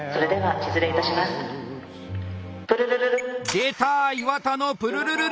出た岩田の「プルルルル」！